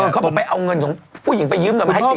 เขาบอกไปเอาเงินของผู้หญิงไปยืมเงินมาให้สิ